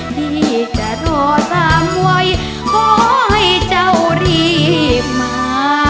ที่จะโทรสั่งไว้ขอให้เจ้ารีบมา